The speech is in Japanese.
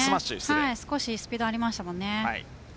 少しスピードがありましたね。